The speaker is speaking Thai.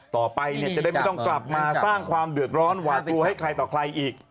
ต่อไปเนี่ยจะได้ไม่ต้องกลับมาสร้างความเดือดร้อนหวาดกลัวให้ใครต่อใครอีก